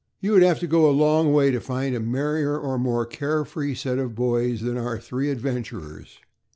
You would have had to go a long way to find a merrier or more care free set of boys than our three adventurers.